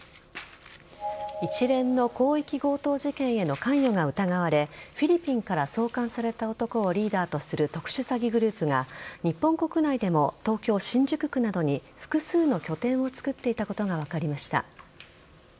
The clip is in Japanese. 一連の広域強盗事件への関与が疑われフィリピンから送還された男をリーダーとする特殊詐欺グループが日本国内でも東京・新宿区などに複数の拠点を作っていたことが分かりました。